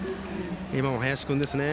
今の林君ですね